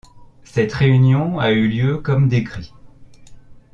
Cette réunion a eu lieu comme décrit.